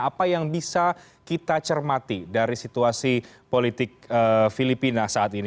apa yang bisa kita cermati dari situasi politik filipina saat ini